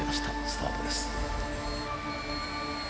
スタートです。